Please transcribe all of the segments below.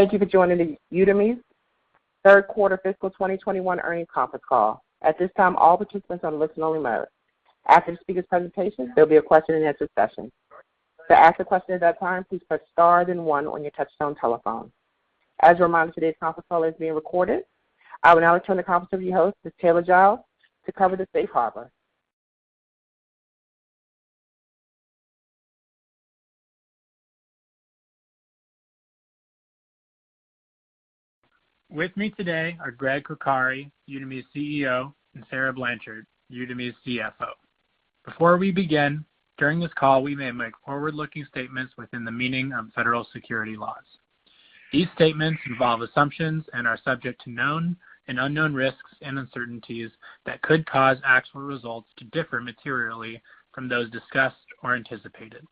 Thank you for joining Udemy's third quarter fiscal 2021 earnings conference call. At this time, all participants are on listen-only mode. After the speaker's presentation, there'll be a question and answer session. To ask a question at that time, please press star then one on your touchtone telephone. As a reminder, today's conference call is being recorded. I will now return the conference over to your host, Mr. Taylor Giles, to cover the safe harbor. With me today are Gregg Coccari, Udemy's CEO, and Sarah Blanchard, Udemy's CFO. Before we begin, during this call, we may make forward-looking statements within the meaning of federal securities laws. These statements involve assumptions and are subject to known and unknown risks and uncertainties that could cause actual results to differ materially from those discussed or anticipated.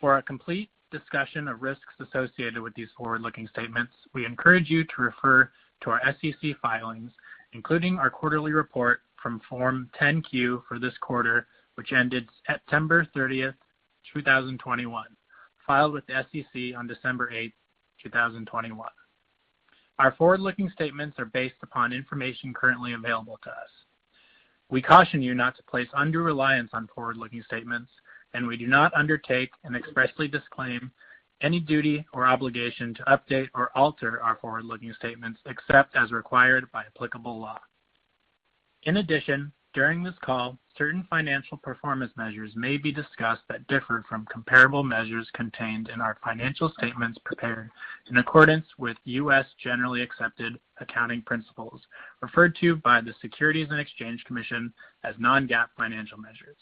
For a complete discussion of risks associated with these forward-looking statements, we encourage you to refer to our SEC filings, including our quarterly report on Form 10-Q for this quarter, which ended September 30, 2021, filed with the SEC on December 8, 2021. Our forward-looking statements are based upon information currently available to us. We caution you not to place undue reliance on forward-looking statements, and we do not undertake and expressly disclaim any duty or obligation to update or alter our forward-looking statements, except as required by applicable law. In addition, during this call, certain financial performance measures may be discussed that differ from comparable measures contained in our financial statements prepared in accordance with U.S. generally accepted accounting principles, referred to by the Securities and Exchange Commission as non-GAAP financial measures.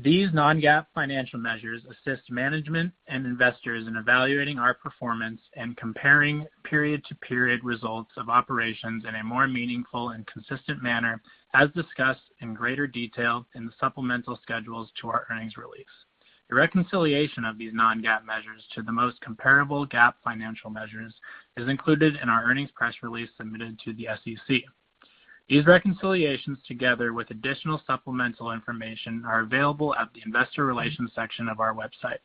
These non-GAAP financial measures assist management and investors in evaluating our performance and comparing period-to-period results of operations in a more meaningful and consistent manner, as discussed in greater detail in the supplemental schedules to our earnings release. A reconciliation of these non-GAAP measures to the most comparable GAAP financial measures is included in our earnings press release submitted to the SEC. These reconciliations, together with additional supplemental information, are available at the investor relations section of our website.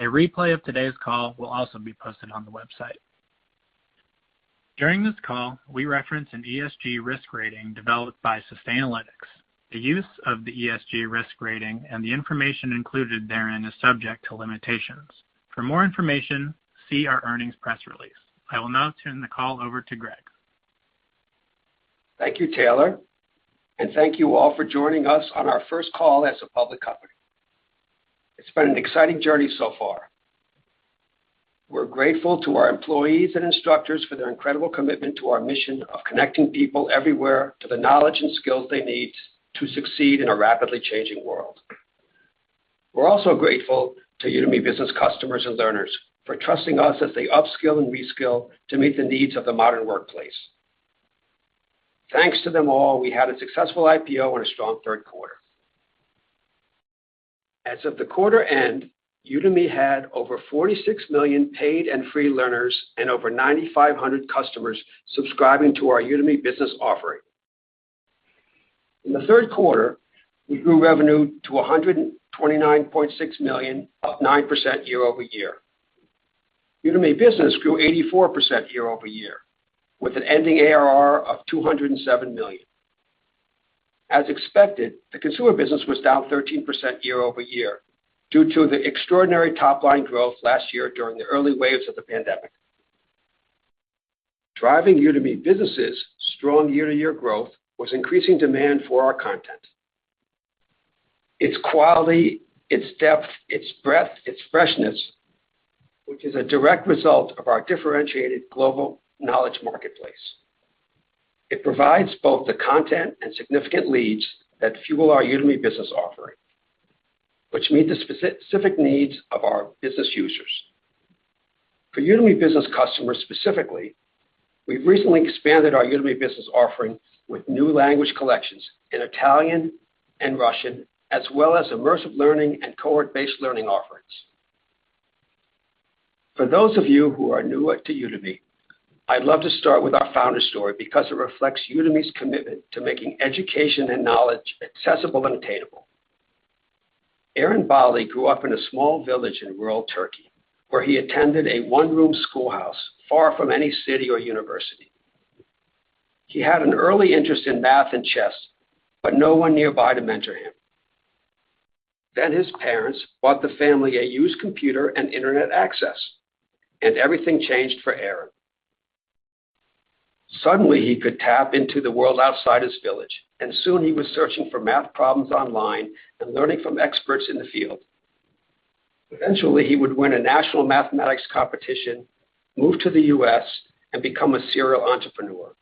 A replay of today's call will also be posted on the website. During this call, we reference an ESG risk rating developed by Sustainalytics. The use of the ESG risk rating and the information included therein is subject to limitations. For more information, see our earnings press release. I will now turn the call over to Gregg. Thank you, Taylor, and thank you all for joining us on our first call as a public company. It's been an exciting journey so far. We're grateful to our employees and instructors for their incredible commitment to our mission of connecting people everywhere to the knowledge and skills they need to succeed in a rapidly changing world. We're also grateful to Udemy Business customers and learners for trusting us as they upskill and reskill to meet the needs of the modern workplace. Thanks to them all, we had a successful IPO and a strong third quarter. As of the quarter end, Udemy had over 46 million paid and free learners and over 9,500 customers subscribing to our Udemy Business offering. In the third quarter, we grew revenue to $129.6 million, up 9% year-over-year. Udemy Business grew 84% year-over-year, with an ending ARR of $207 million. As expected, the consumer business was down 13% year-over-year due to the extraordinary top-line growth last year during the early waves of the pandemic. Driving Udemy Business's strong year-over-year growth was increasing demand for our content, its quality, its depth, its breadth, its freshness, which is a direct result of our differentiated global knowledge marketplace. It provides both the content and significant leads that fuel our Udemy Business offering, which meet the specific needs of our business users. For Udemy Business customers specifically, we've recently expanded our Udemy Business offering with new language collections in Italian and Russian, as well as immersive learning and cohort-based learning offerings. For those of you who are new to Udemy, I'd love to start with our founder's story because it reflects Udemy's commitment to making education and knowledge accessible and attainable. Eren Bali grew up in a small village in rural Turkey, where he attended a one-room schoolhouse far from any city or university. He had an early interest in math and chess, but no one nearby to mentor him. Then his parents bought the family a used computer and internet access, and everything changed for Eren. Suddenly, he could tap into the world outside his village, and soon he was searching for math problems online and learning from experts in the field. Eventually, he would win a national mathematics competition, move to the U.S., and become a serial entrepreneur.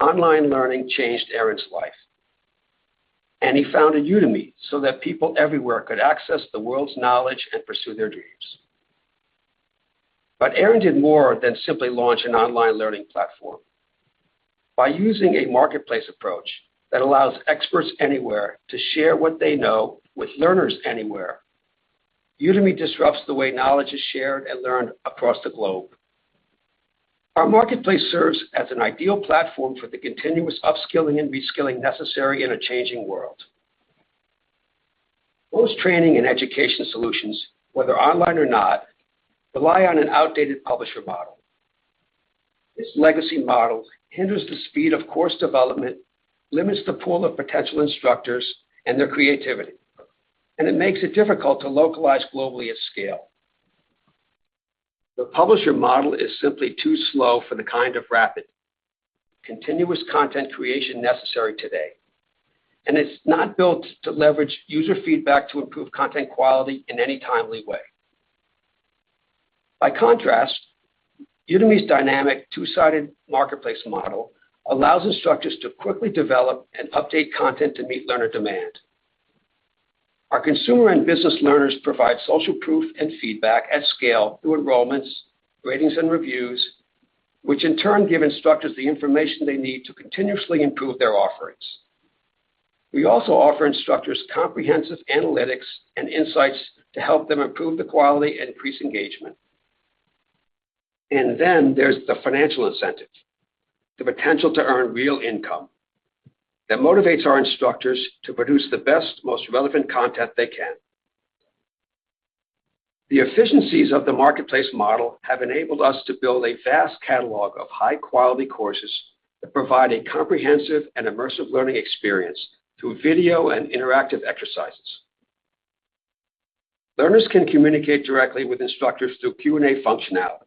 Online learning changed Eren's life, and he founded Udemy so that people everywhere could access the world's knowledge and pursue their dreams. Eren did more than simply launch an online learning platform. By using a marketplace approach that allows experts anywhere to share what they know with learners anywhere, Udemy disrupts the way knowledge is shared and learned across the globe. Our marketplace serves as an ideal platform for the continuous upskilling and reskilling necessary in a changing world. Most training and education solutions, whether online or not, rely on an outdated publisher model. This legacy model hinders the speed of course development, limits the pool of potential instructors and their creativity, and it makes it difficult to localize globally at scale. The publisher model is simply too slow for the kind of rapid continuous content creation necessary today, and it's not built to leverage user feedback to improve content quality in any timely way. By contrast, Udemy's dynamic two-sided marketplace model allows instructors to quickly develop and update content to meet learner demand. Our consumer and business learners provide social proof and feedback at scale through enrollments, ratings, and reviews, which in turn give instructors the information they need to continuously improve their offerings. We also offer instructors comprehensive analytics and insights to help them improve the quality and increase engagement. There's the financial incentive, the potential to earn real income that motivates our instructors to produce the best, most relevant content they can. The efficiencies of the marketplace model have enabled us to build a vast catalog of high-quality courses that provide a comprehensive and immersive learning experience through video and interactive exercises. Learners can communicate directly with instructors through Q&A functionality.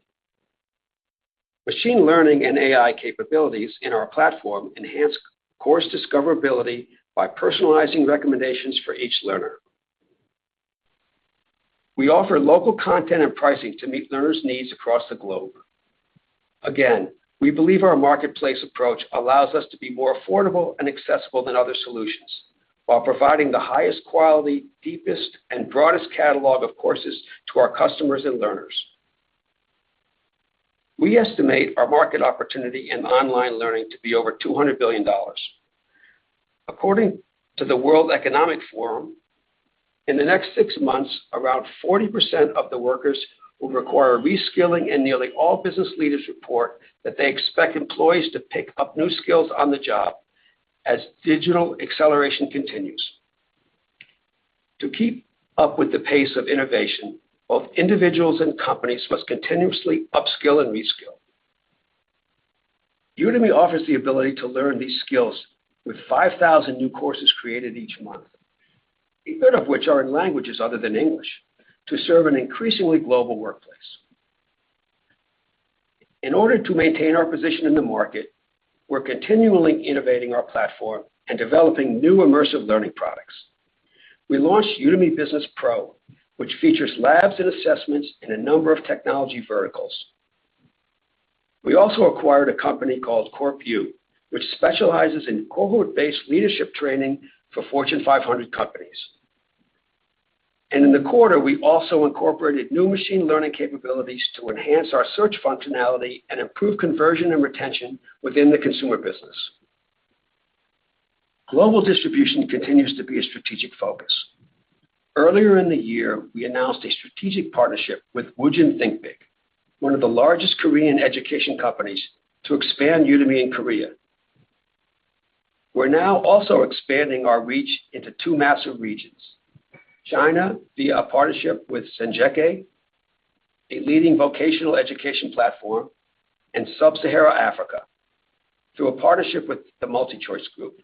Machine learning and AI capabilities in our platform enhance course discoverability by personalizing recommendations for each learner. We offer local content and pricing to meet learners' needs across the globe. Again, we believe our marketplace approach allows us to be more affordable and accessible than other solutions while providing the highest quality, deepest, and broadest catalog of courses to our customers and learners. We estimate our market opportunity in online learning to be over $200 billion. According to the World Economic Forum, in the next six months, around 40% of the workers will require reskilling, and nearly all business leaders report that they expect employees to pick up new skills on the job as digital acceleration continues. To keep up with the pace of innovation, both individuals and companies must continuously upskill and reskill. Udemy offers the ability to learn these skills with 5,000 new courses created each month, a third of which are in languages other than English to serve an increasingly global workplace. In order to maintain our position in the market, we're continually innovating our platform and developing new immersive learning products. We launched Udemy Business Pro, which features labs and assessments in a number of technology verticals. We also acquired a company called CorpU, which specializes in cohort-based leadership training for Fortune 500 companies. In the quarter, we also incorporated new machine learning capabilities to enhance our search functionality and improve conversion and retention within the consumer business. Global distribution continues to be a strategic focus. Earlier in the year, we announced a strategic partnership with Woongjin ThinkBig, one of the largest Korean education companies, to expand Udemy in Korea. We're now also expanding our reach into two massive regions, China via a partnership with Sanjieke, a leading vocational education platform, and Sub-Saharan Africa through a partnership with the MultiChoice Group,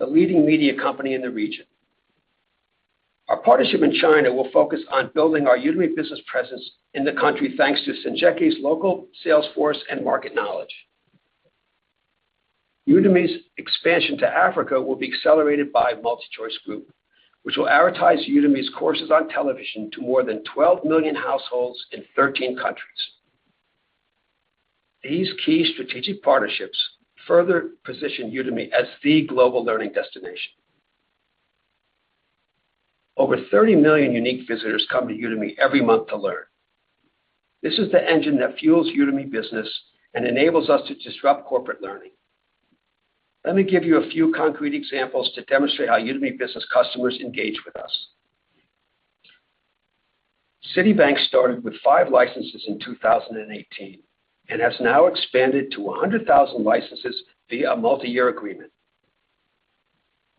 the leading media company in the region. Our partnership in China will focus on building our Udemy business presence in the country, thanks to Sanjieke's local sales force and market knowledge. Udemy's expansion to Africa will be accelerated by MultiChoice Group, which will advertise Udemy's courses on television to more than 12 million households in 13 countries. These key strategic partnerships further position Udemy as the global learning destination. Over 30 million unique visitors come to Udemy every month to learn. This is the engine that fuels Udemy Business and enables us to disrupt corporate learning. Let me give you a few concrete examples to demonstrate how Udemy Business customers engage with us. Citi started with 5 licenses in 2018 and has now expanded to 100,000 licenses via a multi-year agreement.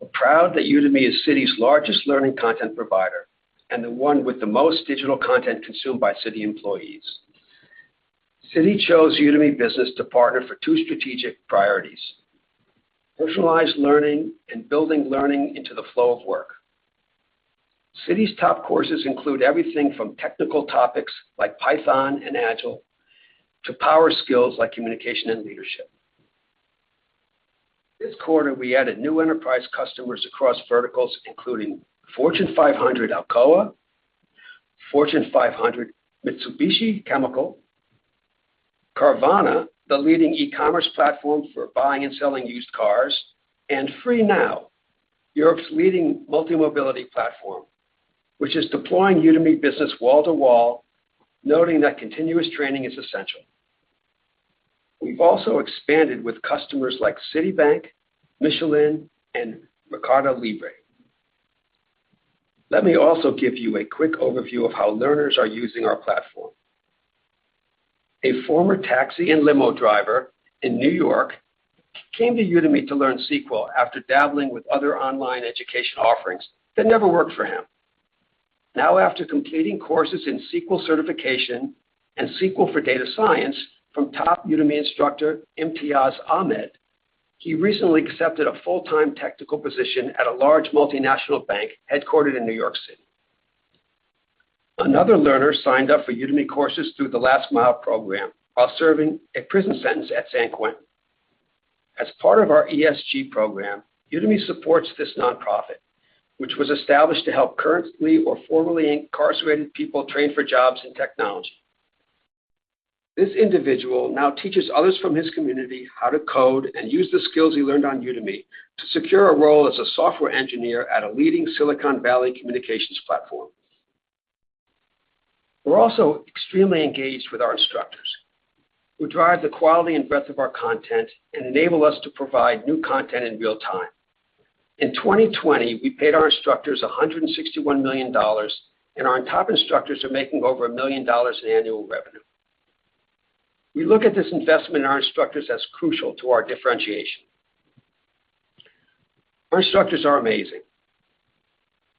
We're proud that Udemy is Citi's largest learning content provider and the one with the most digital content consumed by Citi employees. Citi chose Udemy Business to partner for two strategic priorities, personalized learning and building learning into the flow of work. Citi's top courses include everything from technical topics like Python and Agile to power skills like communication and leadership. This quarter, we added new enterprise customers across verticals, including Fortune 500 Alcoa, Fortune 500 Mitsubishi Chemical, Carvana, the leading e-commerce platform for buying and selling used cars, and freenow, Europe's leading multi-mobility platform, which is deploying Udemy Business wall to wall, noting that continuous training is essential. We've also expanded with customers like Citi, Michelin, and Mercado Libre. Let me also give you a quick overview of how learners are using our platform. A former taxi and limo driver in New York came to Udemy to learn SQL after dabbling with other online education offerings that never worked for him. Now, after completing courses in SQL certification and SQL for data science from top Udemy instructor Imtiaz Ahmad, he recently accepted a full-time technical position at a large multinational bank headquartered in New York City. Another learner signed up for Udemy courses through The Last Mile while serving a prison sentence at San Quentin. As part of our ESG program, Udemy supports this nonprofit, which was established to help currently or formerly incarcerated people train for jobs in technology. This individual now teaches others from his community how to code and use the skills he learned on Udemy to secure a role as a software engineer at a leading Silicon Valley communications platform. We're also extremely engaged with our instructors who drive the quality and breadth of our content and enable us to provide new content in real time. In 2020, we paid our instructors $161 million, and our top instructors are making over $1 million in annual revenue. We look at this investment in our instructors as crucial to our differentiation. Our instructors are amazing.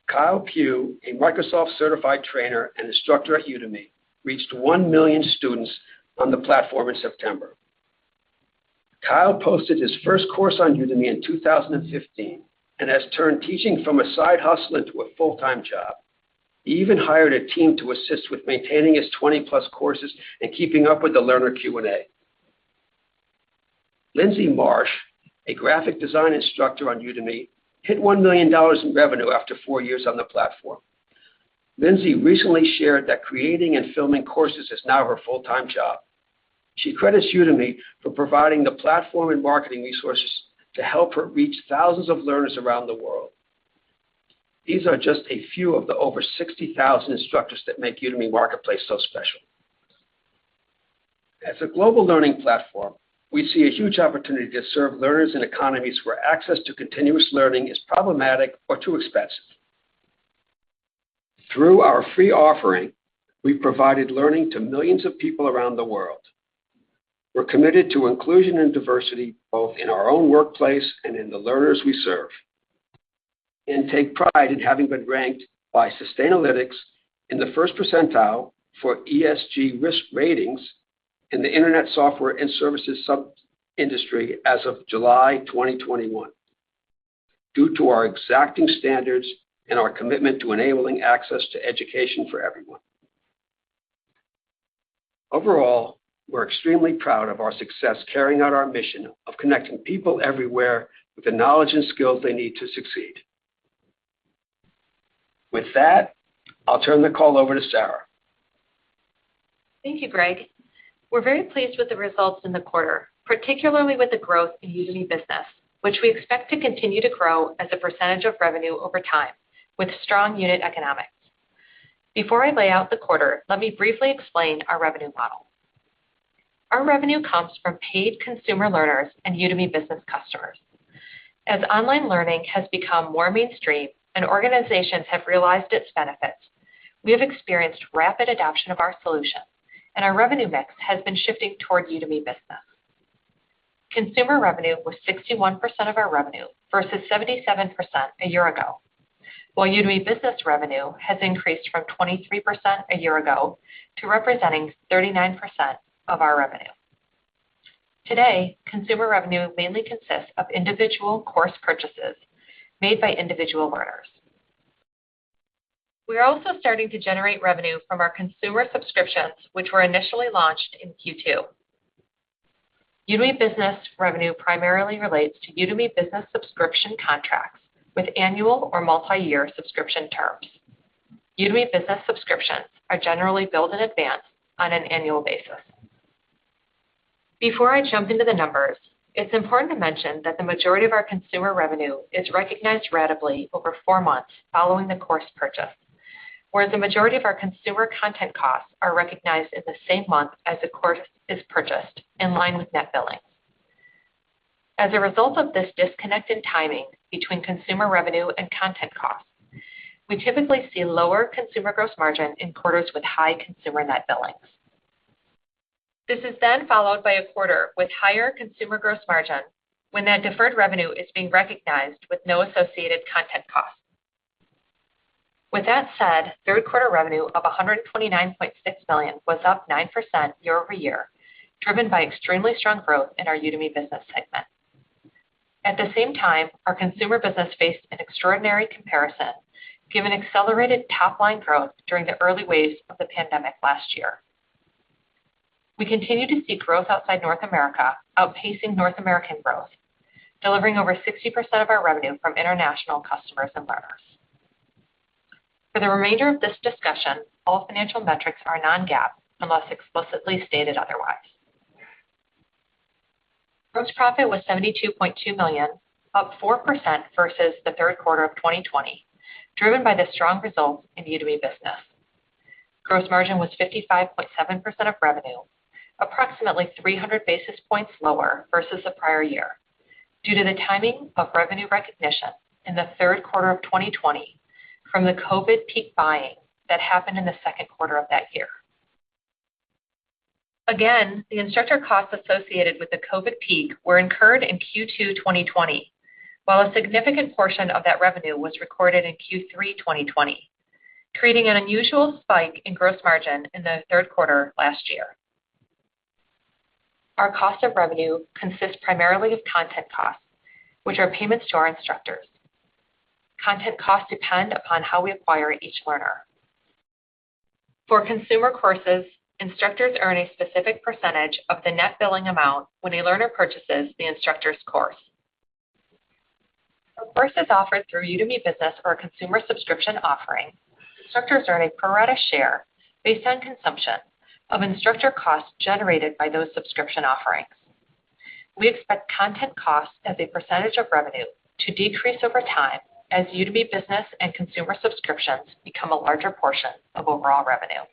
Kyle Pew, a Microsoft Certified Trainer and instructor at Udemy, reached 1 million students on the platform in September. Kyle posted his first course on Udemy in 2015 and has turned teaching from a side hustle into a full-time job. He even hired a team to assist with maintaining his 20+ courses and keeping up with the learner Q&A. Lindsay Marsh, a graphic design instructor on Udemy, hit $1 million in revenue after 4 years on the platform. Lindsay recently shared that creating and filming courses is now her full-time job. She credits Udemy for providing the platform and marketing resources to help her reach thousands of learners around the world. These are just a few of the over 60,000 instructors that make Udemy Marketplace so special. As a global learning platform, we see a huge opportunity to serve learners in economies where access to continuous learning is problematic or too expensive. Through our free offering, we've provided learning to millions of people around the world. We're committed to inclusion and diversity, both in our own workplace and in the learners we serve, and take pride in having been ranked by Sustainalytics in the first percentile for ESG risk ratings in the internet software and services sub-industry as of July 2021 due to our exacting standards and our commitment to enabling access to education for everyone. Overall, we're extremely proud of our success carrying out our mission of connecting people everywhere with the knowledge and skills they need to succeed. With that, I'll turn the call over to Sarah. Thank you, Gregg. We're very pleased with the results in the quarter, particularly with the growth in Udemy Business, which we expect to continue to grow as a percentage of revenue over time with strong unit economics. Before I lay out the quarter, let me briefly explain our revenue model. Our revenue comes from paid consumer learners and Udemy Business customers. As online learning has become more mainstream and organizations have realized its benefits, we have experienced rapid adoption of our solutions, and our revenue mix has been shifting toward Udemy Business. Consumer revenue was 61% of our revenue versus 77% a year ago, while Udemy Business revenue has increased from 23% a year ago to representing 39% of our revenue. Today, consumer revenue mainly consists of individual course purchases made by individual learners. We are also starting to generate revenue from our consumer subscriptions, which were initially launched in Q2. Udemy Business revenue primarily relates to Udemy Business subscription contracts with annual or multiyear subscription terms. Udemy Business subscriptions are generally billed in advance on an annual basis. Before I jump into the numbers, it's important to mention that the majority of our consumer revenue is recognized ratably over four months following the course purchase, whereas the majority of our consumer content costs are recognized in the same month as the course is purchased in line with net billings. As a result of this disconnect in timing between consumer revenue and content costs, we typically see lower consumer gross margin in quarters with high consumer net billings. This is then followed by a quarter with higher consumer gross margin when that deferred revenue is being recognized with no associated content costs. With that said, third quarter revenue of $129.6 million was up 9% year-over-year, driven by extremely strong growth in our Udemy Business segment. At the same time, our consumer business faced an extraordinary comparison given accelerated top-line growth during the early waves of the pandemic last year. We continue to see growth outside North America outpacing North American growth, delivering over 60% of our revenue from international customers and learners. For the remainder of this discussion, all financial metrics are non-GAAP unless explicitly stated otherwise. Gross profit was $72.2 million, up 4% versus the third quarter of 2020, driven by the strong results in the Udemy Business. Gross margin was 55.7% of revenue, approximately 300 basis points lower versus the prior year due to the timing of revenue recognition in the third quarter of 2020 from the COVID peak buying that happened in the second quarter of that year. Again, the instructor costs associated with the COVID peak were incurred in Q2 2020, while a significant portion of that revenue was recorded in Q3 2020, creating an unusual spike in gross margin in the third quarter last year. Our cost of revenue consists primarily of content costs, which are payments to our instructors. Content costs depend upon how we acquire each learner. For consumer courses, instructors earn a specific percentage of the net billing amount when a learner purchases the instructor's course. For courses offered through Udemy Business or a consumer subscription offering, instructors earn a pro rata share based on consumption of instructor costs generated by those subscription offerings. We expect content costs as a percentage of revenue to decrease over time as Udemy Business and consumer subscriptions become a larger portion of overall revenue.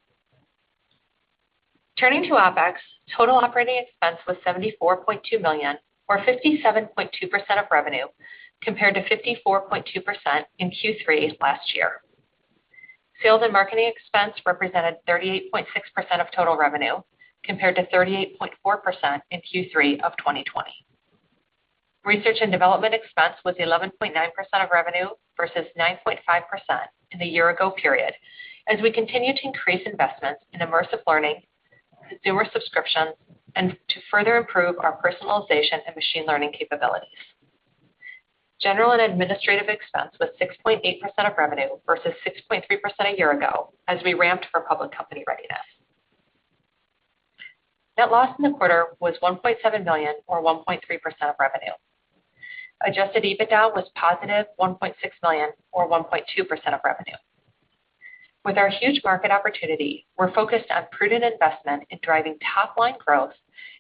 Turning to OpEx, total operating expense was $74.2 million or 57.2% of revenue, compared to 54.2% in Q3 last year. Sales and marketing expense represented 38.6% of total revenue, compared to 38.4% in Q3 of 2020. Research and development expense was 11.9% of revenue versus 9.5% in the year ago period as we continue to increase investments in immersive learning, consumer subscriptions, and to further improve our personalization and machine learning capabilities. General and administrative expense was 6.8% of revenue versus 6.3% a year ago as we ramped for public company readiness. Net loss in the quarter was $1.7 million or 1.3% of revenue. Adjusted EBITDA was $1.6 million or 1.2% of revenue. With our huge market opportunity, we're focused on prudent investment in driving top-line growth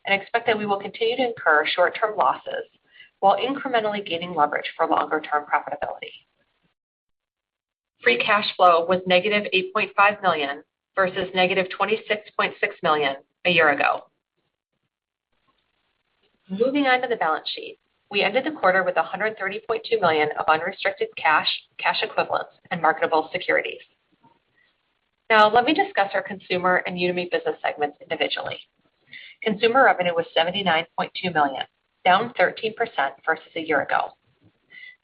and expect that we will continue to incur short-term losses while incrementally gaining leverage for longer-term profitability. Free cash flow was -$8.5 million versus -$26.6 million a year ago. Moving on to the balance sheet, we ended the quarter with $130.2 million of unrestricted cash equivalents, and marketable securities. Now let me discuss our Consumer and Udemy Business segments individually. Consumer revenue was $79.2 million, down 13% versus a year ago.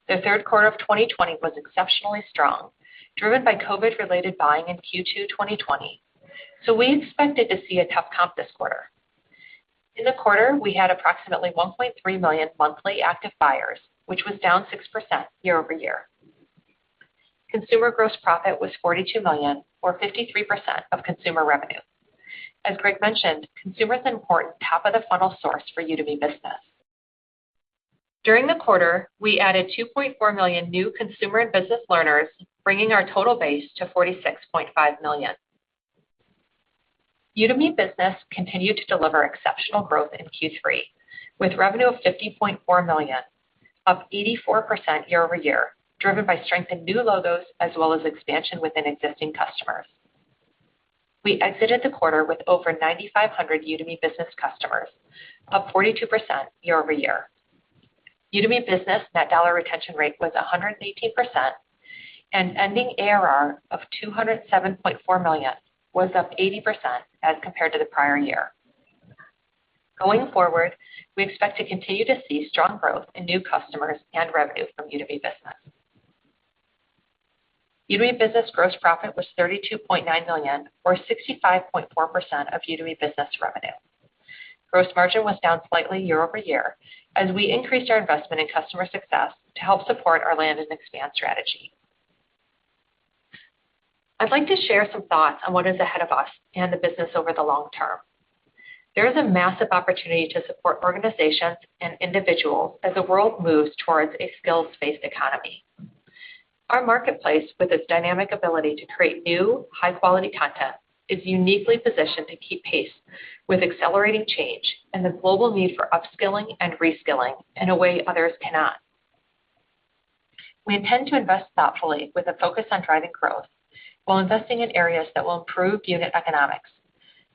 The third quarter of 2020 was exceptionally strong, driven by COVID-related buying in Q2 2020, so we expected to see a tough comp this quarter. In the quarter, we had approximately 1.3 million monthly active buyers, which was down 6% year-over-year. Consumer gross profit was $42 million or 53% of consumer revenue. As Gregg mentioned, consumer is an important top of the funnel source for Udemy Business. During the quarter, we added 2.4 million new consumer and business learners, bringing our total base to 46.5 million. Udemy Business continued to deliver exceptional growth in Q3, with revenue of $50.4 million, up 84% year-over-year, driven by strength in new logos as well as expansion within existing customers. We exited the quarter with over 9,500 Udemy Business customers, up 42% year-over-year. Udemy Business net dollar retention rate was 118%, and ending ARR of $207.4 million was up 80% as compared to the prior year. Going forward, we expect to continue to see strong growth in new customers and revenue from Udemy Business. Udemy Business gross profit was $32.9 million or 65.4% of Udemy Business revenue. Gross margin was down slightly year-over-year as we increased our investment in customer success to help support our land and expand strategy. I'd like to share some thoughts on what is ahead of us and the business over the long term. There is a massive opportunity to support organizations and individuals as the world moves towards a skills-based economy. Our marketplace, with its dynamic ability to create new, high-quality content, is uniquely positioned to keep pace with accelerating change and the global need for upskilling and reskilling in a way others cannot. We intend to invest thoughtfully with a focus on driving growth while investing in areas that will improve unit economics,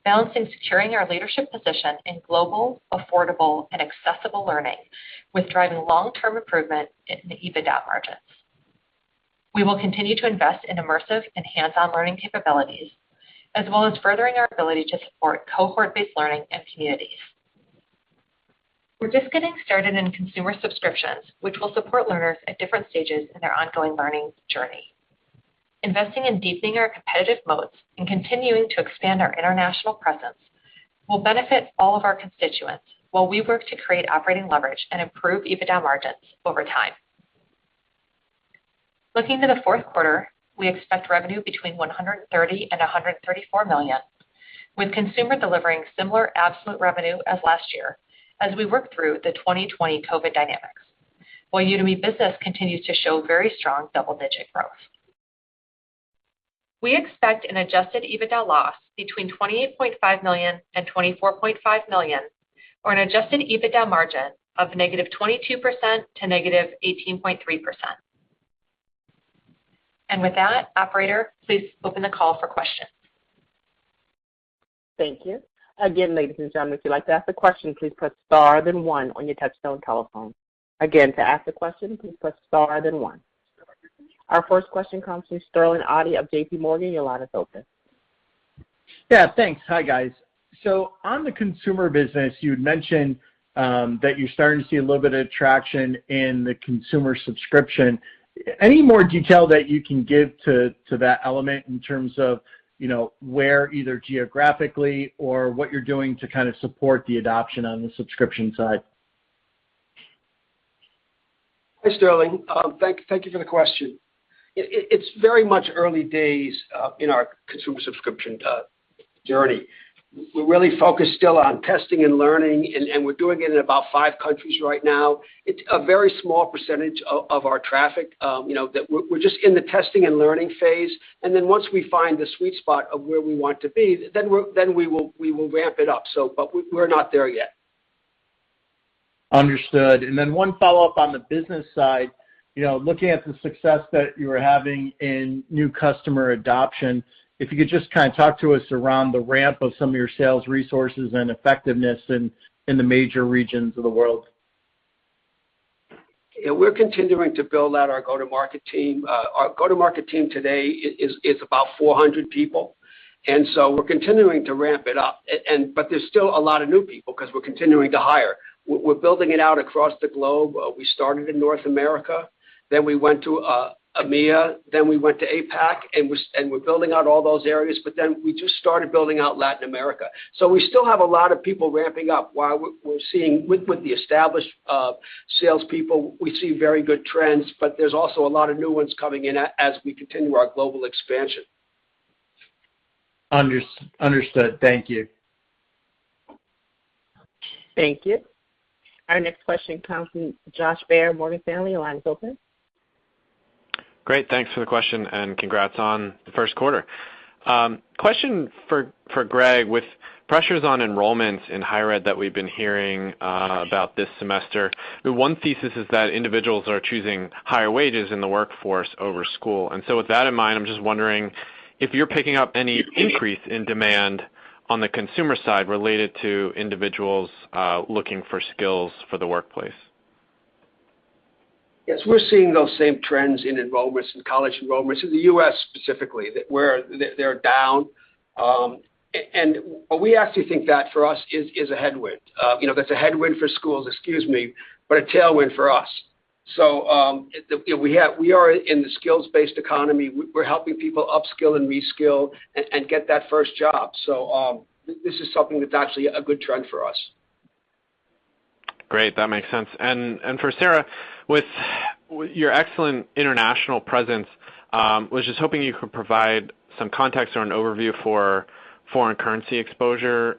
balancing securing our leadership position in global, affordable, and accessible learning with driving long-term improvement in the EBITDA margins. We will continue to invest in immersive and hands-on learning capabilities, as well as furthering our ability to support cohort-based learning and communities. We're just getting started in consumer subscriptions, which will support learners at different stages in their ongoing learning journey. Investing in deepening our competitive moats and continuing to expand our international presence will benefit all of our constituents while we work to create operating leverage and improve EBITDA margins over time. Looking to the fourth quarter, we expect revenue between $130 million and $134 million, with consumer delivering similar absolute revenue as last year as we work through the 2020 COVID dynamics while Udemy Business continues to show very strong double-digit growth. We expect an adjusted EBITDA loss between $28.5 million and $24.5 million or an adjusted EBITDA margin of -22% to -18.3%. With that, operator, please open the call for questions. Thank you. Again, ladies and gentlemen, if you'd like to ask a question, please press star, then one on your touchtone telephone. Again, to ask a question, please press star, then one. Our first question comes from Sterling Auty of JPMorgan. Your line is open. Yeah, thanks. Hi, guys. On the consumer business, you had mentioned that you're starting to see a little bit of traction in the consumer subscription. Any more detail that you can give to that element in terms of, you know, where either geographically or what you're doing to kind of support the adoption on the subscription side? Hi, Sterling. Thank you for the question. It's very much early days in our consumer subscription journey. We're really focused still on testing and learning, and we're doing it in about five countries right now. It's a very small percentage of our traffic, you know, that we're just in the testing and learning phase. Then once we find the sweet spot of where we want to be, we will ramp it up. We're not there yet. Understood. One follow-up on the business side. You know, looking at the success that you are having in new customer adoption, if you could just kind of talk to us around the ramp of some of your sales resources and effectiveness in the major regions of the world. Yeah. We're continuing to build out our go-to-market team. Our go-to-market team today is about 400 people. We're continuing to ramp it up, but there's still a lot of new people because we're continuing to hire. We're building it out across the globe. We started in North America, then we went to EMEA, then we went to APAC, and we're building out all those areas, but then we just started building out Latin America. We still have a lot of people ramping up. While we're seeing with the established salespeople, we see very good trends, but there's also a lot of new ones coming in as we continue our global expansion. Understood. Thank you. Thank you. Our next question comes from Josh Baer, Morgan Stanley. Your line is open. Great. Thanks for the question, and congrats on the first quarter. Question for Gregg. With pressures on enrollment in higher ed that we've been hearing about this semester, the one thesis is that individuals are choosing higher wages in the workforce over school. With that in mind, I'm just wondering if you're picking up any increase in demand on the consumer side related to individuals looking for skills for the workplace. Yes, we're seeing those same trends in enrollments, in college enrollments in the U.S. specifically, that they're down. We actually think that for us is a headwind. You know, that's a headwind for schools, excuse me, but a tailwind for us. You know, we are in the skills-based economy. We're helping people upskill and reskill and get that first job. This is something that's actually a good trend for us. Great, that makes sense. For Sarah, with your excellent international presence, I was just hoping you could provide some context or an overview for foreign currency exposure,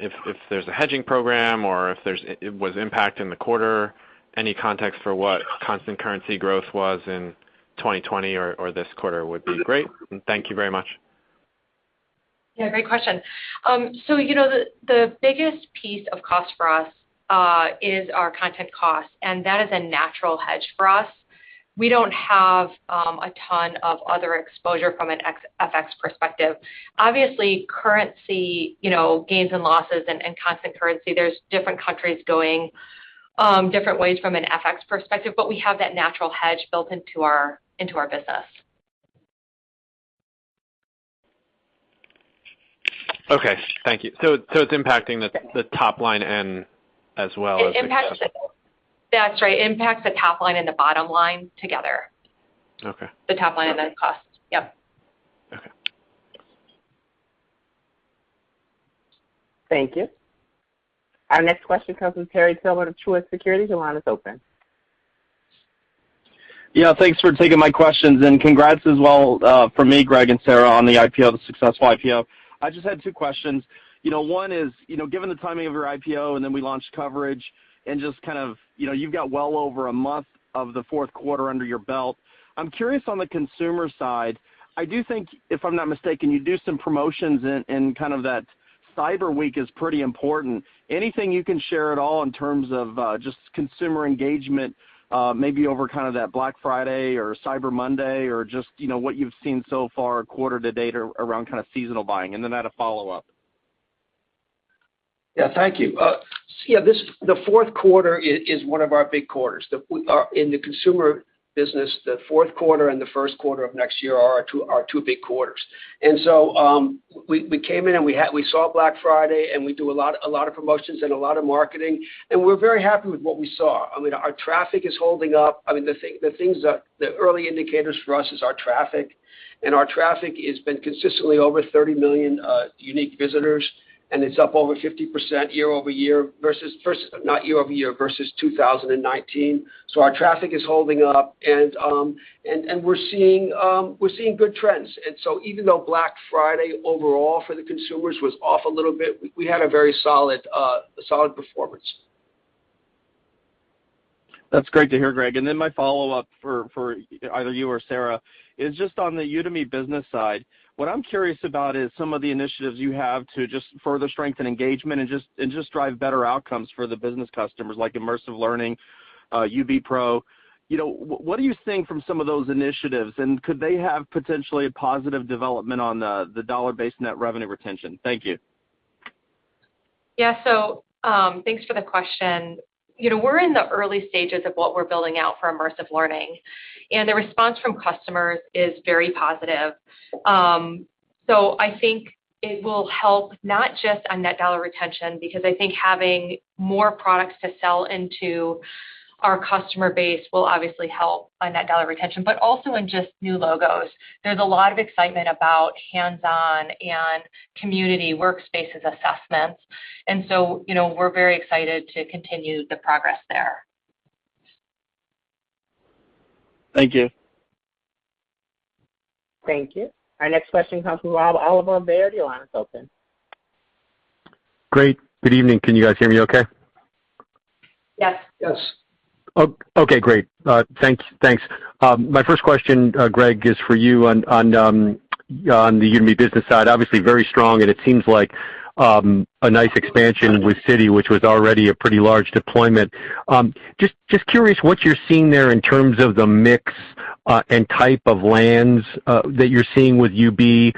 if there's a hedging program or if there's its impact in the quarter. Any context for what constant currency growth was in 2020 or this quarter would be great. Thank you very much. Yeah, great question. So you know, the biggest piece of cost for us is our content costs, and that is a natural hedge for us. We don't have a ton of other exposure from an ex-FX perspective. Obviously, currency, you know, gains and losses and constant currency, there's different countries going different ways from an FX perspective, but we have that natural hedge built into our business. Okay. Thank you. It's impacting the top line and as well as. That's right. It impacts the top line and the bottom line together. Okay. The top line and then the cost. Yep. Okay. Thank you. Our next question comes from Terry Tillman of Truist Securities. Your line is open. Yeah, thanks for taking my questions, and congrats as well from me, Gregg and Sarah, on the IPO, the successful IPO. I just had two questions. You know, one is, you know, given the timing of your IPO, and then we launched coverage and just kind of, you know, you've got well over a month of the fourth quarter under your belt. I'm curious on the consumer side. I do think, if I'm not mistaken, you do some promotions in that Cyber Week, which is pretty important. Anything you can share at all in terms of just consumer engagement, maybe over that Black Friday or Cyber Monday or just, you know, what you've seen so far quarter to date around kind of seasonal buying, and then I had a follow-up. Yeah, thank you. This the fourth quarter is one of our big quarters. In the consumer business, the fourth quarter and the first quarter of next year are our two big quarters. We came in and we saw Black Friday, and we do a lot of promotions and a lot of marketing, and we're very happy with what we saw. I mean, our traffic is holding up. I mean, the early indicators for us is our traffic, and our traffic has been consistently over 30 million unique visitors, and it's up over 50% year-over-year versus 2019. Our traffic is holding up and we're seeing good trends. Even though Black Friday overall for the consumers was off a little bit, we had a very solid performance. That's great to hear, Gregg. Then my follow-up for either you or Sarah is just on the Udemy Business side. What I'm curious about is some of the initiatives you have to just further strengthen engagement and just drive better outcomes for the business customers like immersive learning. UB Pro. You know, what are you seeing from some of those initiatives? Could they have potentially a positive development on the dollar-based net revenue retention? Thank you. Yeah, thanks for the question. You know, we're in the early stages of what we're building out for immersive learning, and the response from customers is very positive. I think it will help not just on net dollar retention because I think having more products to sell into our customer base will obviously help on net dollar retention, but also in just new logos. There's a lot of excitement about hands-on and community workspaces assessments. You know, we're very excited to continue the progress there. Thank you. Thank you. Our next question comes from Oliver Bayer. The line is open. Great. Good evening. Can you guys hear me okay? Yes. Yes. Okay, great. Thank you, thanks. My first question, Gregg, is for you on the Udemy Business side, obviously very strong, and it seems like a nice expansion with Citi, which was already a pretty large deployment. Just curious what you're seeing there in terms of the mix and type of lands that you're seeing with UB,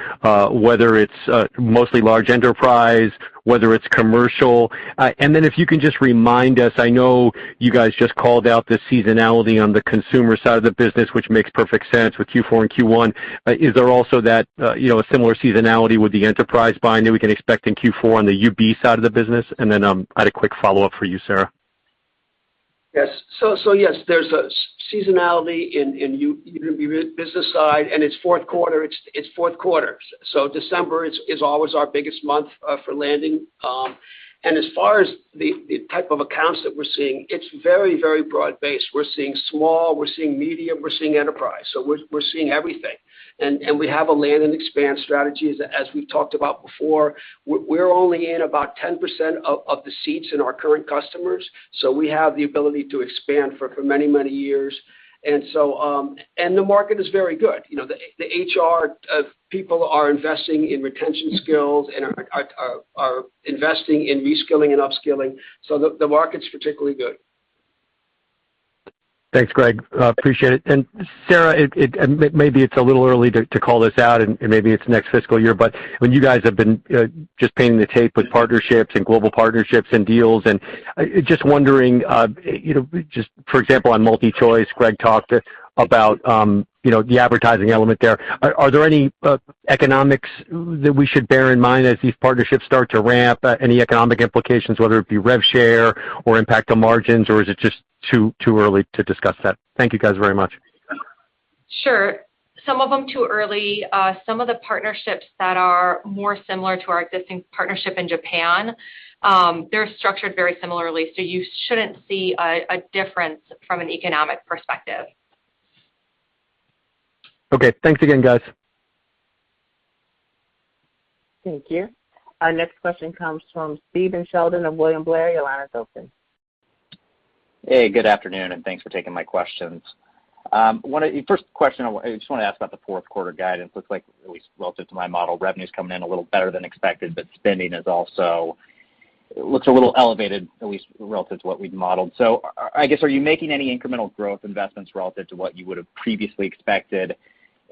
whether it's mostly large enterprise, whether it's commercial. And then if you can just remind us, I know you guys just called out the seasonality on the consumer side of the business, which makes perfect sense with Q4 and Q1. Is there also that, you know, a similar seasonality with the enterprise buying that we can expect in Q4 on the UB side of the business? And then I had a quick follow-up for you, Sarah. Yes, there's a seasonality in Udemy Business side, and it's fourth quarter. December is always our biggest month for landing. As far as the type of accounts that we're seeing, it's very broad-based. We're seeing small, we're seeing medium, we're seeing enterprise. We're seeing everything. We have a land and expand strategy. As we've talked about before, we're only in about 10% of the seats in our current customers, so we have the ability to expand for many years. The market is very good. You know, the HR people are investing in retention skills and are investing in reskilling and upskilling. The market's particularly good. Thanks, Gregg. Appreciate it. Sarah, it. Maybe it's a little early to call this out, and maybe it's next fiscal year, but when you guys have been just painting the tape with partnerships and global partnerships and deals. Just wondering, you know, just for example, on MultiChoice, Gregg talked about, you know, the advertising element there. Are there any economics that we should bear in mind as these partnerships start to ramp, any economic implications, whether it be rev share or impact on margins, or is it just too early to discuss that? Thank you guys very much. Sure. Some of them too early. Some of the partnerships that are more similar to our existing partnership in Japan, they're structured very similarly, so you shouldn't see a difference from an economic perspective. Okay. Thanks again, guys. Thank you. Our next question comes from Stephen Sheldon of William Blair. Your line is open. Hey, good afternoon, and thanks for taking my questions. First question, I just wanna ask about the fourth quarter guidance. Looks like at least relative to my model, revenue's coming in a little better than expected, but spending is also a little elevated, at least relative to what we'd modeled. I guess, are you making any incremental growth investments relative to what you would have previously expected?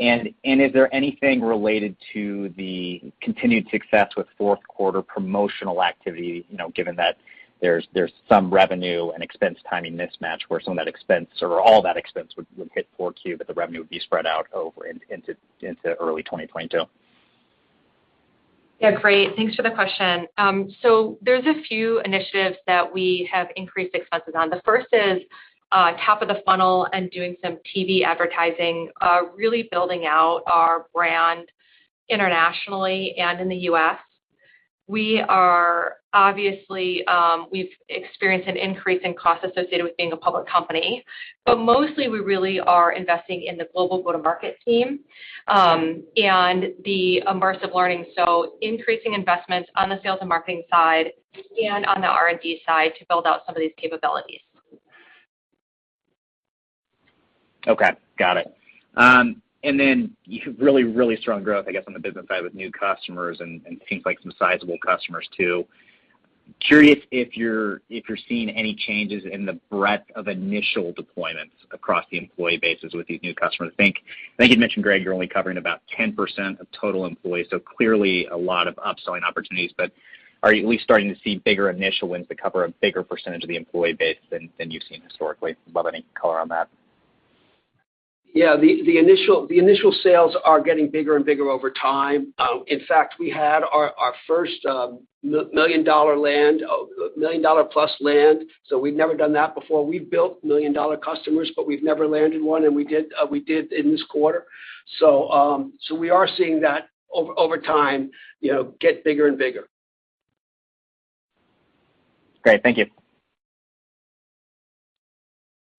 Is there anything related to the continued success with fourth quarter promotional activity, you know, given that there's some revenue and expense timing mismatch where some of that expense or all that expense would hit Q4, but the revenue would be spread out over into early 2022? Yeah, great. Thanks for the question. So there's a few initiatives that we have increased expenses on. The first is top of the funnel and doing some TV advertising, really building out our brand internationally and in the U.S. We've experienced an increase in cost associated with being a public company. But mostly we really are investing in the global go-to-market team, and the immersive learning, so increasing investments on the sales and marketing side and on the R&D side to build out some of these capabilities. Okay, got it. You have really strong growth, I guess, on the business side with new customers and it seems like some sizable customers too. Curious if you're seeing any changes in the breadth of initial deployments across the employee bases with these new customers. I think you'd mentioned, Gregg, you're only covering about 10% of total employees, so clearly a lot of upselling opportunities. Are you at least starting to see bigger initial wins that cover a bigger percentage of the employee base than you've seen historically? Would love any color on that. Yeah. The initial sales are getting bigger and bigger over time. In fact, we had our first million-dollar plus land, so we've never done that before. We've built million-dollar customers, but we've never landed one, and we did in this quarter. We are seeing that over time, you know, get bigger and bigger. Great. Thank you.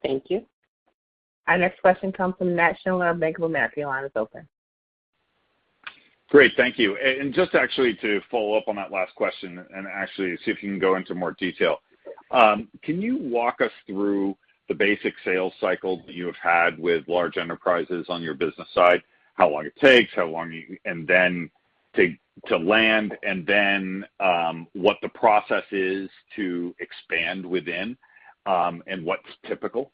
Thank you. Our next question comes from Nat Schindler of Bank of America. Your line is open. Great. Thank you. Just actually to follow up on that last question and actually see if you can go into more detail. Can you walk us through the basic sales cycle that you have had with large enterprises on your business side? How long it takes to land and then what the process is to expand within, and what's typical.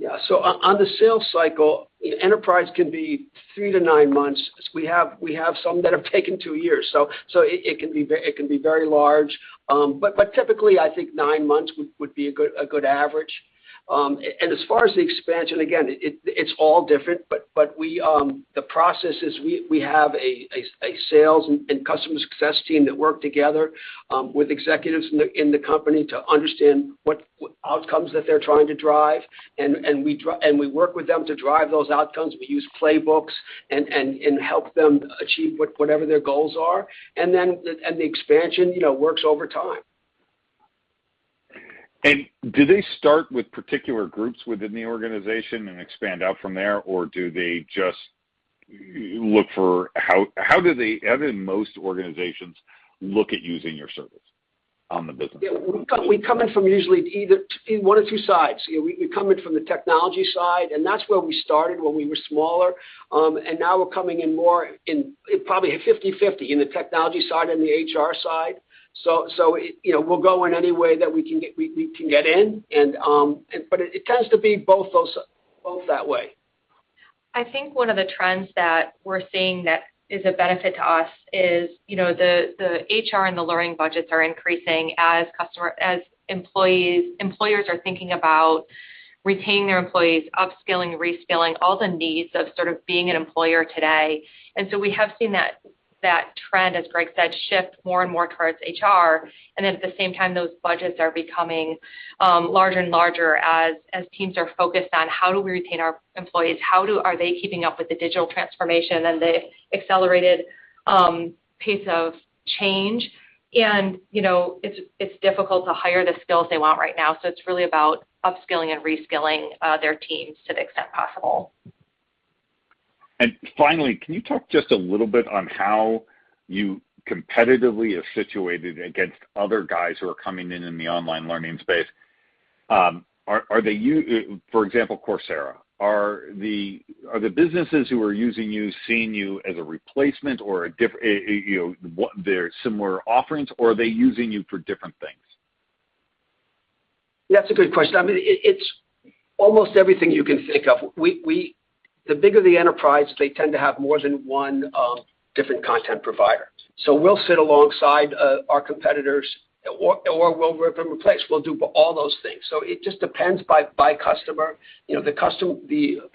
Yeah. On the sales cycle, enterprise can be 3-9 months. We have some that have taken 2 years. It can be very large. But typically I think 9 months would be a good average. And as far as the expansion, again, it's all different. But we have a sales and customer success team that work together with executives in the company to understand what outcomes that they're trying to drive. And we work with them to drive those outcomes. We use playbooks and help them achieve whatever their goals are. And then the expansion, you know, works over time. Do they start with particular groups within the organization and expand out from there? Or do they just look for how do most organizations look at using your service on the business? Yeah. We come in from usually either one of two sides. You know, we come in from the technology side, and that's where we started when we were smaller. Now we're coming in more in probably 50/50 in the technology side and the HR side. You know, we'll go in any way that we can get in. It tends to be both that way. I think one of the trends that we're seeing that is a benefit to us is, you know, the HR and the learning budgets are increasing as employers are thinking about retaining their employees, upskilling, reskilling, all the needs of sort of being an employer today. We have seen that trend, as Gregg said, shift more and more towards HR. At the same time, those budgets are becoming larger and larger as teams are focused on how do we retain our employees. Are they keeping up with the digital transformation and the accelerated pace of change. You know, it's difficult to hire the skills they want right now, so it's really about upskilling and reskilling their teams to the extent possible. Finally, can you talk just a little bit on how you competitively are situated against other guys who are coming in in the online learning space? Are they, for example, Coursera? Are the businesses who are using you seeing you as a replacement or they're similar offerings, or are they using you for different things? That's a good question. I mean, it's almost everything you can think of. The bigger the enterprise, they tend to have more than one different content provider. So we'll sit alongside our competitors or we'll replace. We'll do all those things. So it just depends by customer. You know, the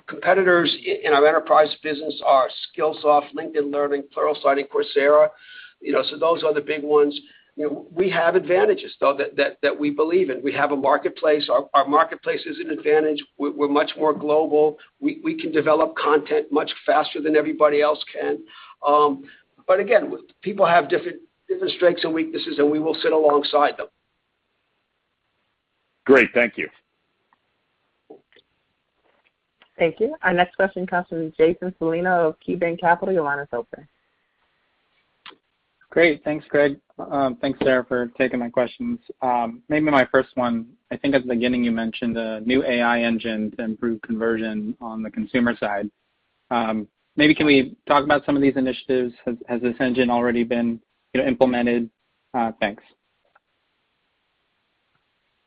competitors in our enterprise business are Skillsoft, LinkedIn Learning, Pluralsight, and Coursera. You know, so those are the big ones. You know, we have advantages, though, that we believe in. We have a marketplace. Our marketplace is an advantage. We're much more global. We can develop content much faster than everybody else can. But again, people have different strengths and weaknesses, and we will sit alongside them. Great. Thank you. Thank you. Our next question comes from Jason Celino of KeyBanc Capital. Your line is open. Great. Thanks, Gregg. Thanks, Sarah, for taking my questions. Maybe my first one, I think at the beginning you mentioned the new AI engine to improve conversion on the consumer side. Maybe can we talk about some of these initiatives? Has this engine already been, you know, implemented? Thanks.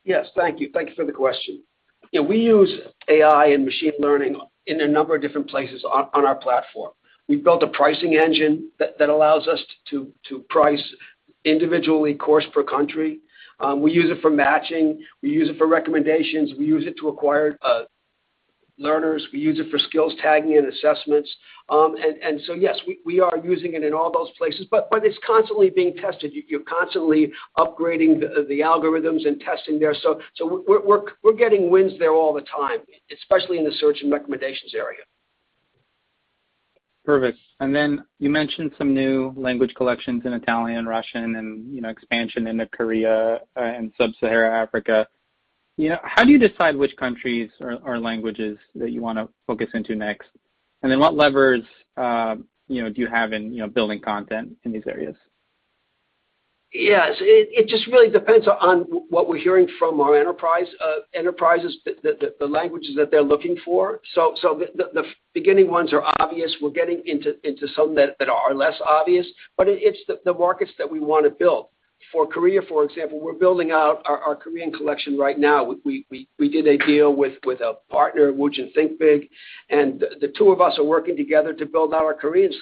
Yes. Thank you. Thank you for the question. You know, we use AI and machine learning in a number of different places on our platform. We've built a pricing engine that allows us to price individual courses per country. We use it for matching. We use it for recommendations. We use it to acquire learners. We use it for skills tagging and assessments. Yes, we are using it in all those places. It's constantly being tested. You're constantly upgrading the algorithms and testing there. We're getting wins there all the time, especially in the search and recommendations area. Perfect. You mentioned some new language collections in Italian, Russian and, you know, expansion into Korea and Sub-Saharan Africa. You know, how do you decide which countries or languages that you wanna focus into next? What levers, you know, do you have in, you know, building content in these areas? Yes. It just really depends on what we're hearing from our enterprises, the languages that they're looking for. The beginning ones are obvious. We're getting into some that are less obvious, but it's the markets that we wanna build. For Korea, for example, we're building out our Korean collection right now. We did a deal with a partner, Woongjin ThinkBig, and the two of us are working together to build our Korean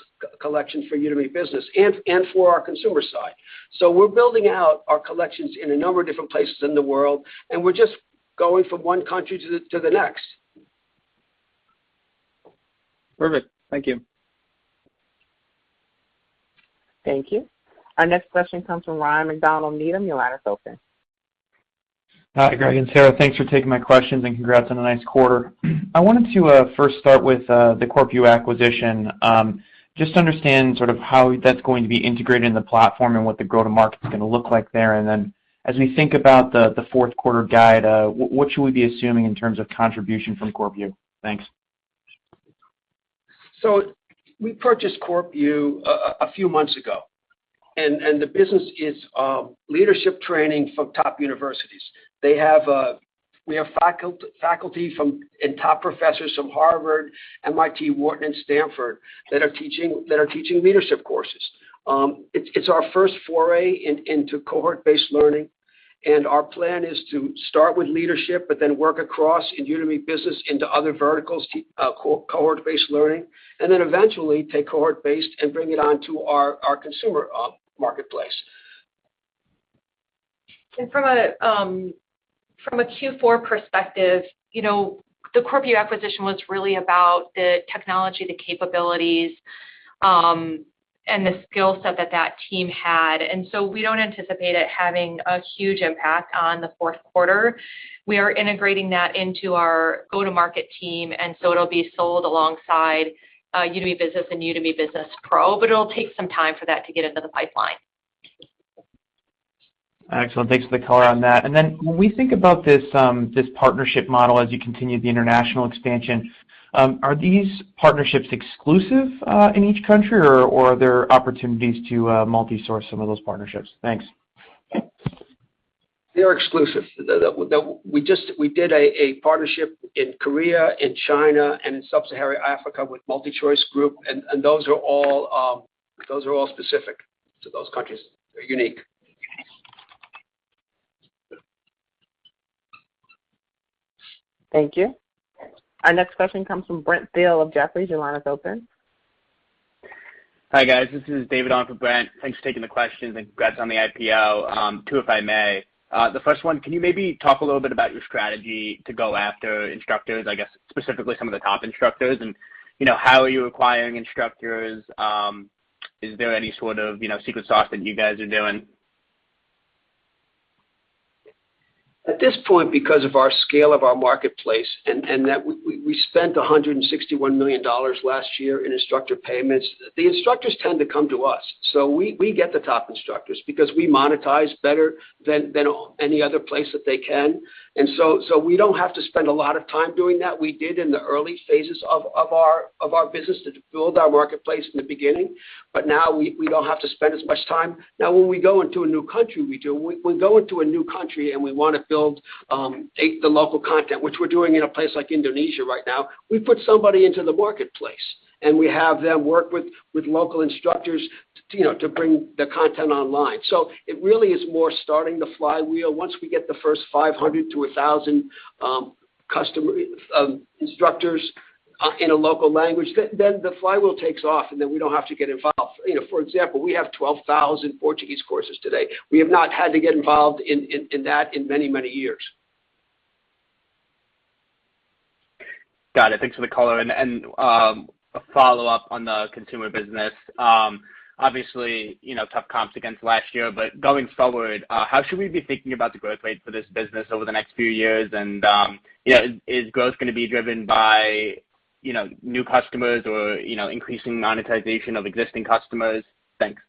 collection for Udemy Business and for our consumer side. We're building out our collections in a number of different places in the world, and we're just going from one country to the next. Perfect. Thank you. Thank you. Our next question comes from Ryan MacDonald, Needham. Your line is open. Hi, Gregg and Sarah. Thanks for taking my questions, and congrats on a nice quarter. I wanted to first start with the CorpU acquisition. Just to understand sort of how that's going to be integrated in the platform and what the go-to-market is gonna look like there. As we think about the fourth quarter guide, what should we be assuming in terms of contribution from CorpU? Thanks. We purchased CorpU a few months ago. The business is leadership training from top universities. We have faculty and top professors from Harvard, MIT, Wharton, and Stanford that are teaching leadership courses. It's our first foray into cohort-based learning, and our plan is to start with leadership but then work across Udemy Business into other verticals to cohort-based learning, and then eventually take cohort-based and bring it onto our consumer marketplace. From a Q4 perspective, you know, the CorpU acquisition was really about the technology, the capabilities, and the skill set that team had. We don't anticipate it having a huge impact on the fourth quarter. We are integrating that into our go-to-market team, and so it'll be sold alongside Udemy Business and Udemy Business Pro, but it'll take some time for that to get into the pipeline. Excellent. Thanks for the color on that. When we think about this partnership model as you continue the international expansion, are these partnerships exclusive, in each country or are there opportunities to, multi-source some of those partnerships? Thanks. They are exclusive. We just did a partnership in Korea, in China, and in Sub-Saharan Africa with MultiChoice Group, and those are all specific to those countries. They're unique. Thank you. Our next question comes from Brent Thill of Jefferies. Your line is open. Hi, guys. This is David on for Brent. Thanks for taking the questions, and congrats on the IPO. Two if I may. The first one, can you maybe talk a little bit about your strategy to go after instructors, I guess specifically some of the top instructors, and, you know, how are you acquiring instructors? Is there any sort of, you know, secret sauce that you guys are doing? At this point, because of our scale of our marketplace and that we spent $161 million last year in instructor payments, the instructors tend to come to us. We get the top instructors because we monetize better than any other place that they can. We don't have to spend a lot of time doing that. We did in the early phases of our business to build our marketplace in the beginning. We don't have to spend as much time. Now, when we go into a new country, we do. When we go into a new country and we wanna build take the local content, which we're doing in a place like Indonesia right now, we put somebody into the marketplace, and we have them work with local instructors to, you know, to bring the content online. It really is more starting the flywheel. Once we get the first 500-1,000 customer instructors using a local language, then the flywheel takes off, and then we don't have to get involved. You know, for example, we have 12,000 Portuguese courses today. We have not had to get involved in that in many, many years. Got it. Thanks for the color. A follow-up on the consumer business. Obviously, you know, tough comps against last year, but going forward, how should we be thinking about the growth rate for this business over the next few years? You know, is growth gonna be driven by, you know, new customers or, you know, increasing monetization of existing customers? Thanks.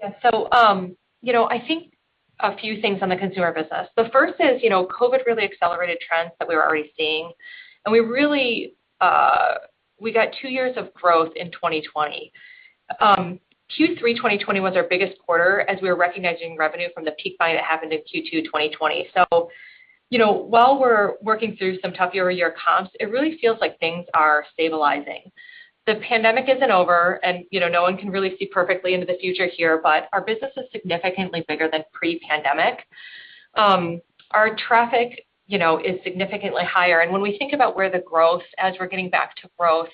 Yeah, you know, I think a few things on the consumer business. The first is, you know, COVID really accelerated trends that we were already seeing, and we really, we got two years of growth in 2020. Q3 2020 was our biggest quarter as we were recognizing revenue from the peak buy that happened in Q2 2020. You know, while we're working through some tough year-over-year comps, it really feels like things are stabilizing. The pandemic isn't over and, you know, no one can really see perfectly into the future here, but our business is significantly bigger than pre-pandemic. Our traffic, you know, is significantly higher. When we think about where the growth is as we're getting back to growth,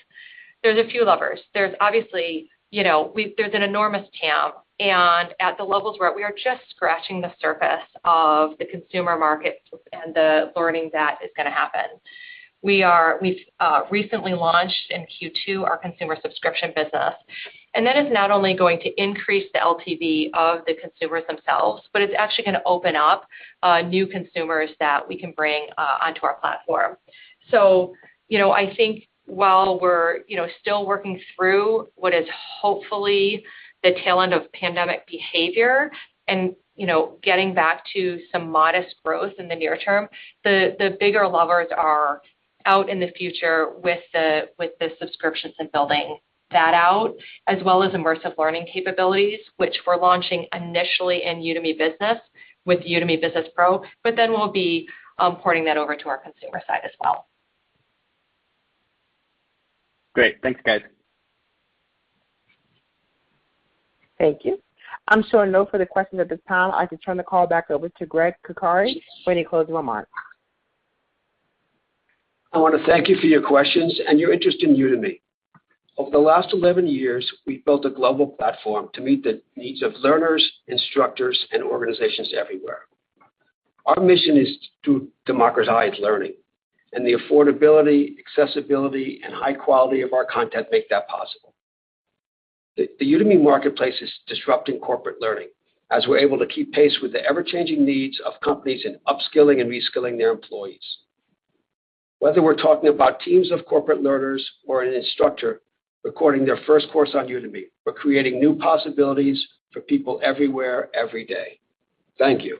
there's a few levers. There's obviously an enormous TAM, and at the levels we're at, we are just scratching the surface of the consumer markets and the learning that is gonna happen. We've recently launched in Q2 our consumer subscription business, and that is not only going to increase the LTV of the consumers themselves, but it's actually gonna open up new consumers that we can bring onto our platform. You know, I think while we're, you know, still working through what is hopefully the tail end of pandemic behavior and, you know, getting back to some modest growth in the near term, the bigger levers are out in the future with the subscriptions and building that out, as well as immersive learning capabilities, which we're launching initially in Udemy Business with Udemy Business Pro, but then we'll be porting that over to our consumer side as well. Great. Thanks, guys. Thank you. I'm showing no further questions at this time. I'd like to turn the call back over to Gregg Coccari for any closing remarks. I wanna thank you for your questions and your interest in Udemy. Over the last 11 years, we've built a global platform to meet the needs of learners, instructors, and organizations everywhere. Our mission is to democratize learning, and the affordability, accessibility, and high quality of our content make that possible. The Udemy marketplace is disrupting corporate learning as we're able to keep pace with the ever-changing needs of companies in upskilling and reskilling their employees. Whether we're talking about teams of corporate learners or an instructor recording their first course on Udemy, we're creating new possibilities for people everywhere, every day. Thank you.